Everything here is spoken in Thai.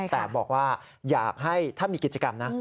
แต่บอกว่าอยากให้ถ้ามีกิจกรรมนะ